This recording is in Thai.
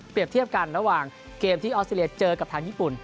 เทียบกันระหว่างเกมที่ออสเตรเลียเจอกับทางญี่ปุ่น